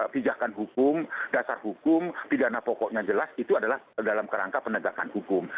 pijakan hukum dasar hukum pidana pokoknya jelas itu adalah dalam kerangka penegakan hukum